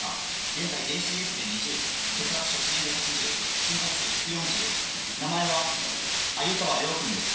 現在ＪＣＳで２０血圧触診で８０心拍数１４０名前は鮎川玲生君です。